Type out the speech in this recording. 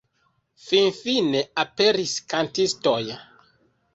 Finfine aperis kantistoj.